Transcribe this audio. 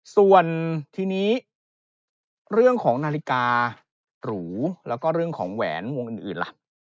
ส่วนทีนี้เรื่องของนาฬิกาหรูแล้วก็เรื่องของแหวนวงอื่นล่ะ